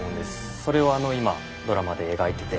それをあの今ドラマで描いてて。